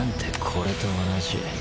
これと同じ。